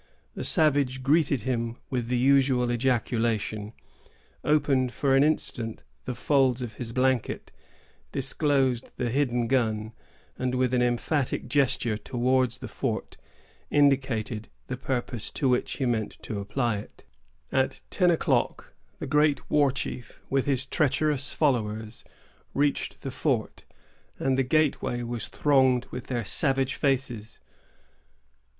The savage greeted him with the usual ejaculation, opened for an instant the folds of his blanket, disclosed the hidden gun, and, with an emphatic gesture towards the fort, indicated the purpose to which he meant to apply it. At ten o'clock, the great war chief, with his treacherous followers, reached the fort, and the gateway was thronged with their savage faces.